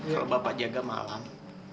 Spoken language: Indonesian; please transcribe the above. kalau bapak jaga malam